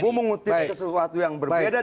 gue mengutip sesuatu yang berbeda